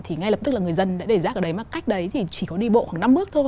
thì ngay lập tức là người dân đã để rác ở đấy mà cách đấy thì chỉ có đi bộ khoảng năm bước thôi